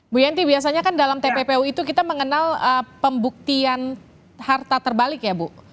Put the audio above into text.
bu yenti biasanya kan dalam tppu itu kita mengenal pembuktian harta terbalik ya bu